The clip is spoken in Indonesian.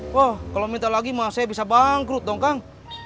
wah kalau minta lagi saya bisa bangkrut dong kang